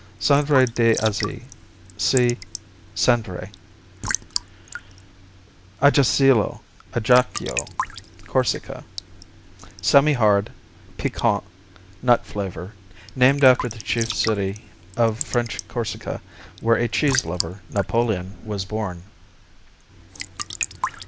Aizy, Cendrée d' see Cendrée. Ajacilo, Ajaccio Corsica Semihard; piquant; nut flavor. Named after the chief city of French Corsica where a cheese lover, Napoleon, was born.